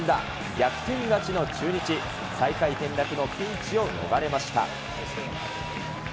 逆転勝ちの中日、最下位転落のピンチを逃れました。